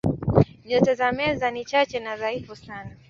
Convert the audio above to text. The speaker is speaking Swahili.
Nyota za Meza ni chache na dhaifu sana.